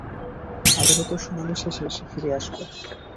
আদালতের শুনানি শেষে সে ফিরে আসবে।